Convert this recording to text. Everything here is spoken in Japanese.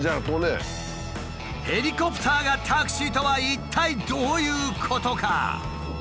ヘリコプターがタクシーとは一体どういうことか？